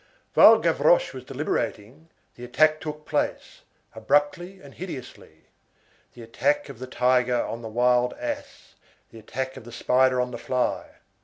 While Gavroche was deliberating, the attack took place, abruptly and hideously. The attack of the tiger on the wild ass, the attack of the spider on the fly.